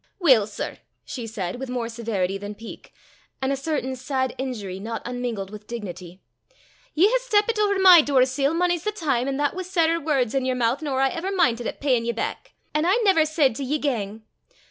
"Weel, sir," she said, with more severity than pique, and a certain sad injury not unmingled with dignity, "ye hae stappit ower my door sill mony's the time, an' that wi' sairer words i' yer moo' nor I ever mintit at peyin' ye back; an' I never said to ye gang.